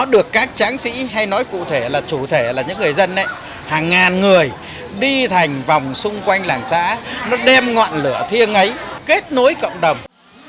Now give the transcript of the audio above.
đi thành vòng xung quanh làng xã nó đem ngọn lửa thiêng ấy kết nối cộng đồng